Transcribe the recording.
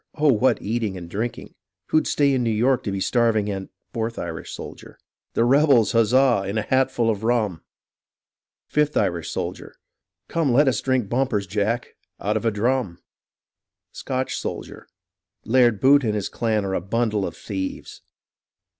Oh, what eating and drinking ! Who'd stay in New York to be starving and — Fourth Irish Soldier The rebels, huzza ! in a hat full of rum. Fifth Irish Soldier Come, let us drink bumpers. Jack, — out of a drum. 170 HISTORY OF THE AMERICAN REVOLUTION Scotch Soldier Laird Bute and his clan are a bundle of thieves.